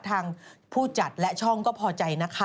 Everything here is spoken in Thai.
ทางผู้จัดและช่องก็พอใจนะคะ